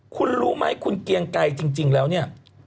คุณรู้ไหมคุณเกียงไกรจริงแล้วเนี่ย